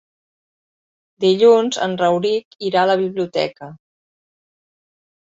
Dilluns en Rauric irà a la biblioteca.